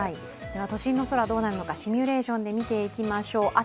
都心の空、どうなるのかシミュレーションで見ていきましょう。